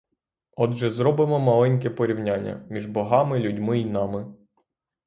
Отже, зробимо маленьке порівняння між богами, людьми й нами.